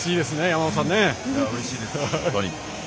うれしいです、本当に。